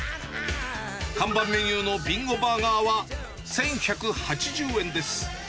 看板メニューのビンゴバーガーは１１８０円です。